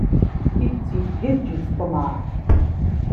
Tidet isgaǧ-itt ṭṭmaɛ.